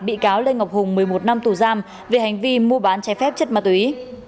bị cáo lê ngọc hùng một mươi một năm tù giam về hành vi mua bán trái phép chất ma túy